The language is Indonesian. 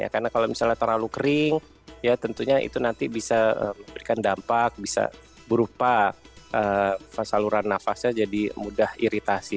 karena kalau misalnya terlalu kering tentunya itu nanti bisa memberikan dampak bisa berupa saluran nafasnya jadi mudah iritasi